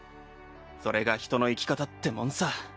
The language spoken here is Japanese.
それが人の生き方ってもんさ。